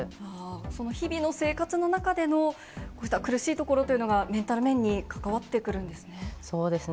その日々の生活の中での、こうした苦しいところというのが、メンタル面に関わってくるんですね。